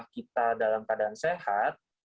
kita dalam keadaan sehat